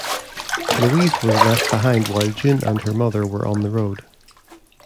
Louise was left behind while June and her mother were on the road.